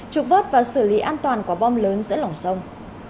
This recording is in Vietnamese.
trục vớt và xử lý an toàn quả bom lớn giữa lòng sông